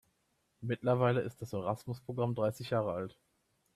Mittlerweile ist das Erasmus-Programm dreißig Jahre alt.